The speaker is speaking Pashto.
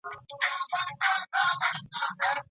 په حال او راتلونکي کي د نکاح د قيد رفع طلاق بلل کيږي.